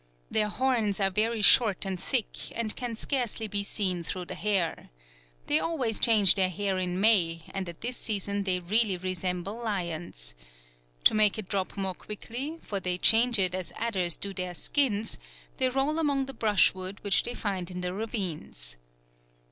Their horns are very short and thick, and can scarcely be seen through the hair. They always change their hair in May, and at this season they really resemble lions. To make it drop more quickly, for they change it as adders do their skins, they roll among the brush wood which they find in the ravines.